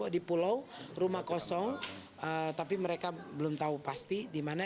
di pulau rumah kosong tapi mereka belum tahu pasti di mana